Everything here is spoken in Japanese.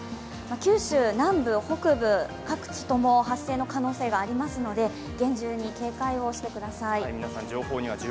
九州南部、北部、各地とも発生の可能性がありますので、厳重に警戒をしてください。